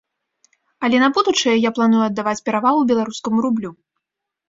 Але на будучае я планую аддаваць перавагу беларускаму рублю.